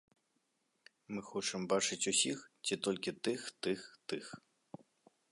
Мы хочам бачыць усіх ці толькі тых, тых, тых.